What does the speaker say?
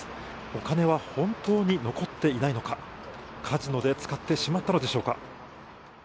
お金は本当に残っていないのか、カジノで使ってしまったのでしょうか？